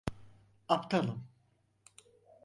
Aptalım.